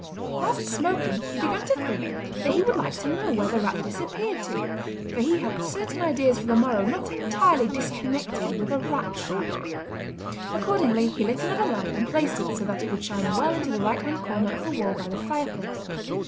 Whilst smoking he began to think that he would like to know where the rat disappeared to, for he had certain ideas for the morrow not entirely disconnected with a rat trap. Accordingly he lit another lamp and placed it so that it would shine well into the right hand corner of the wall by the fireplace.